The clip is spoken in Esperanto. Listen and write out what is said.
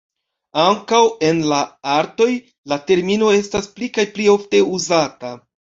Ankaŭ en la artoj, la termino estas pli kaj pli ofte uzata.